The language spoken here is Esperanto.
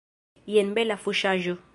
Jen bela fuŝaĵo!